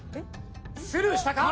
スルーしたか？